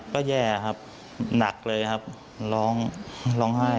ก็แย่ครับหนักเลยครับร้องร้องไห้